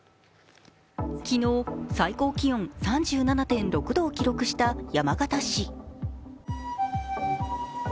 昨日、最高気温３７．６度を記録した山形市。